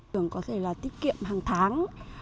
chúng tôi có thể là tiết kiệm hàng tháng